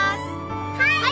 はい。